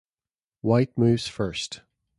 White moves first.